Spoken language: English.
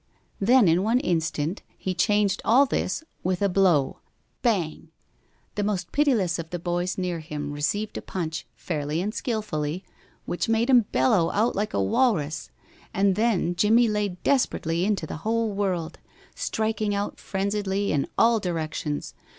Then, in one instant, he changed all this with a blow. Bang! The most pitiless of the boys near him received a punch, fairly and skilfully, which made him bellow out like a walrus, and then Jimmie laid desperately into the whole world, striking out frenziedly in all directions.